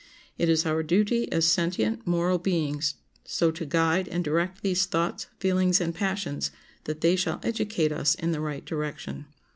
It is our duty as sentient, moral beings so to guide and direct these thoughts, feelings, and passions that they shall educate us in the right direction.